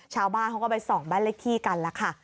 ชาวบ้านเขาก็ไปส่องบ้านเลขที่กันแล้วค่ะ